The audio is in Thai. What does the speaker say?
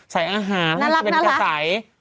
ใส่อาหารเป็นกระใส